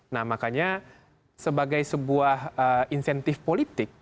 nah makanya sebagai sebuah insentif politik